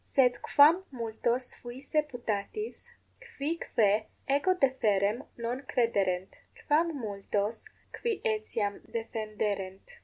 Sed quam multos fuisse putatis, qui quae ego deferrem non crederent? quam multos, qui etiam defenderent?